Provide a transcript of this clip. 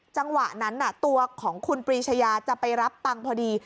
จังหวะนั้นตัวของคุณปรีชายาจะไปรับตังค์พอดี